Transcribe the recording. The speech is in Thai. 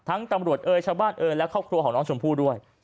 ตำรวจเอ่ยชาวบ้านเอ่ยและครอบครัวของน้องชมพู่ด้วย